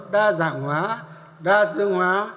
đa dạng hóa đa dương hóa